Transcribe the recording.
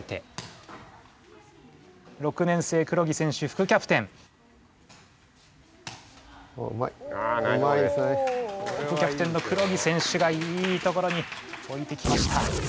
副キャプテンの黒木選手がいいところにおいてきました。